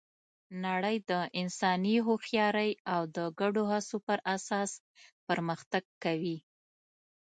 نړۍ د انساني هوښیارۍ او د ګډو هڅو پر اساس پرمختګ کوي.